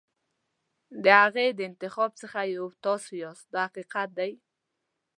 د هغې د انتخاب څخه یو تاسو یاست دا حقیقت دی.